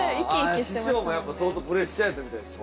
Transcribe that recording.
師匠もやっぱ相当プレッシャーやったみたいですよ